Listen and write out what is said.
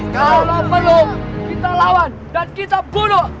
kalau belum kita lawan dan kita bunuh